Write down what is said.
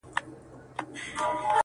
بخته راته یو ښکلی صنم راکه,